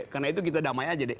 karena itu kita damai aja deh